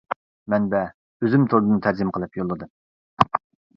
مەنبە : ئۆزۈم توردىن تەرجىمە قىلىپ يوللىدىم.